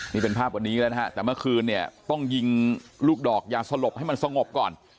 นี่เป็นภาพวันนี้แล้วนะฮะแต่เมื่อคืนเนี่ยต้องยิงลูกดอกยาสลบให้มันสงบก่อน